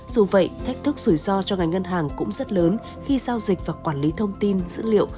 dù vậy thách thức rủi ro cho ngành ngân hàng cũng rất lớn khi giao dịch và quản lý thông tin dữ liệu